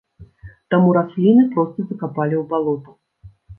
Таму расліны проста закапалі ў балота.